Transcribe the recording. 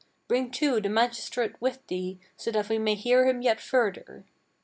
Bring too the magistrate with thee, that so we may hear him yet further."